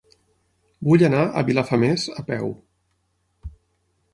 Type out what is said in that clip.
Vull anar a Vilafamés a peu.